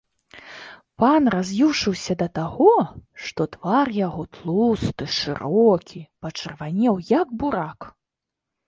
Пан раз'юшыўся да таго, што твар яго, тлусты, шырокі, пачырванеў як бурак.